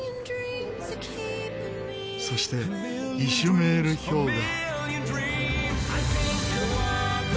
そしてイシュメール氷河。